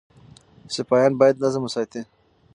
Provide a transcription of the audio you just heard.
سپایان باید نظم وساتي.